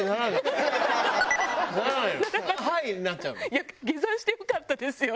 いや下山してよかったですよ。